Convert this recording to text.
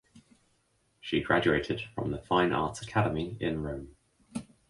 She graduated from the Fine Arts Academy in Rome.